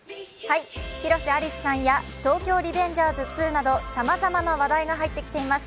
広瀬アリスさんや「東京リベンジャーズ２」などさまざまな話題が入ってきています。